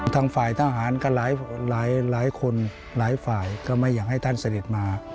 ทางฝ่ายทหารกับหลายคนหลายฝ่ายก็ไม่อยากให้ท่านเสด็จมา